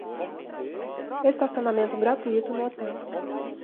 Estacionamento gratuito no hotel